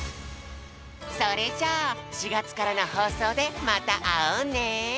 それじゃあ４がつからのほうそうでまたあおうね！